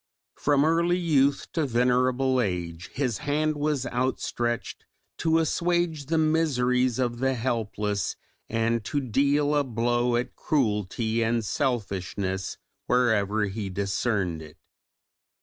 From early youth to venerable age his hand was outstretched to assuage the miseries of the helpless and to deal a blow at cruelty and selfishness wherever he discerned it.